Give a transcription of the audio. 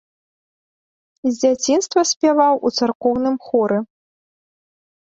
З дзяцінства спяваў у царкоўным хоры.